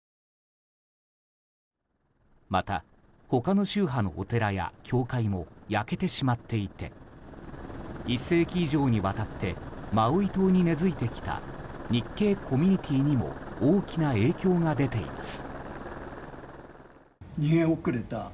また、他の宗派のお寺や教会も焼けてしまっていて１世紀以上にわたってマウイ島に根付いてきた日系コミュニティーにも大きな影響が出ています。